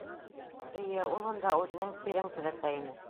Эйе, ул унда үҙенең «сирең» төҙәтә ине.